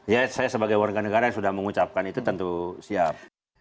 ya saya sebagai warga negara yang sudah mengucapkan itu tentu siap